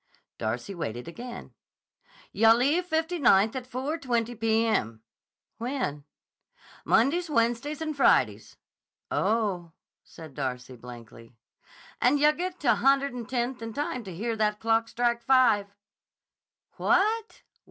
Darcy waited again. "Yah leave Fifty Ninth at 4.20 p.m." "When?" "Mondays, Wednesdays, and Fridays." "Oh!" said Darcy blankly. "And yah get to a Hundred'n Tenth in time to hear that clock strike 5." "What!